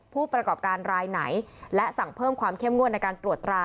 ผู้ประกอบการรายไหนและสั่งเพิ่มความเข้มงวดในการตรวจตรา